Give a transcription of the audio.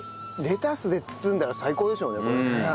レタスで包んだら最高でしょうねこれね。